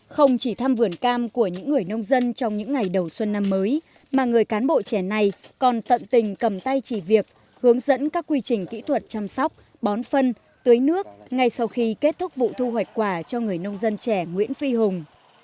không chỉ thăm vườn cam của những người nông dân trong những ngày đầu xuân năm mới mà người cán bộ trẻ này còn tận tình cầm tay chỉ việc hướng dẫn các quy trình kỹ thuật chăm sóc bón phân tưới nước ngay sau khi kết thúc vụ thu hoạch quả cho người nông dân trẻ nguyễn phi hùng